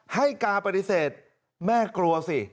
ให้การปฏิเสธแม่กลัวสิ